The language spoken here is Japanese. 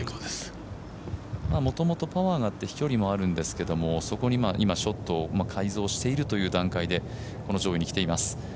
もともとパワーがあって飛距離もあるんですけどそこに今ショットを改造しているという段階で、上位に来ています。